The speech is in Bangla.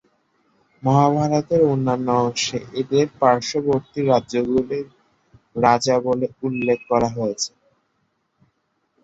মহাভারতের অন্যান্য অংশে এঁদের পার্শ্ববর্তী রাজ্যগুলির রাজা বলে উল্লেখ করা হয়েছে।